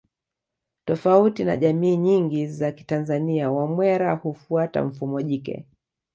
Tofauti na jamii nyingi za kitanzania Wamwera hufuata mfumo jike